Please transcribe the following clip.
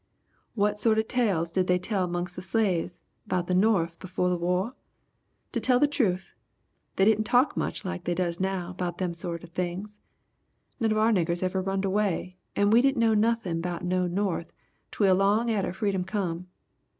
"What sort of tales did they tell 'mongs't the slaves 'bout the Norf befo' the war? To tell the troof, they didn't talk much like they does now 'bout them sort of things. None of our niggers ever runned away and we didn' know nuthin' 'bout no Norf twel long atter freedom come.